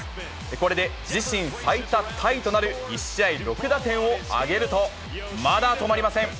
これで自身最多タイとなる１試合６打点を挙げると、まだ止まりません。